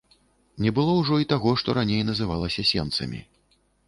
Не было ўжо і таго, што раней называлася сенцамі.